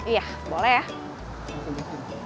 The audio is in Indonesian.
iya boleh ya